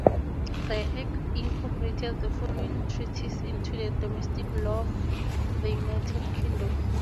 The Act incorporated the following treaties into the domestic law of the United Kingdom.